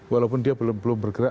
walaupun dia belum bergerak